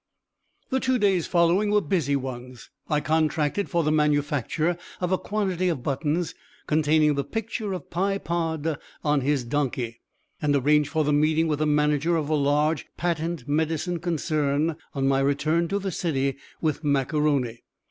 The two days following were busy ones. I contracted for the manufacture of a quantity of buttons, containing the picture of Pye Pod on his donkey, and arranged for the meeting with the manager of a large patent medicine concern on my return to the city with Mac A'Rony.